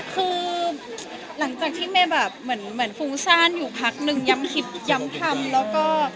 คือหลังจากที่เมย์แบบเหมือนฟุ้งซ่านอยู่พักนึงย้ำคิดย้ำทำแล้วก็